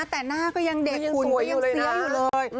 แต่หน้าก็ยังเด็กคนฟื้นเลย